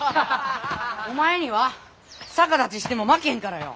お前には逆立ちしても負けんからよ！